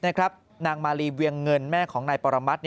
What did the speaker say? นางมาลีเวียงเงินแม่ของนายปรมัติ